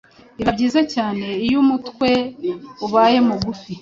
Biba byiza cyane iyo umutwe ubaye mugufi.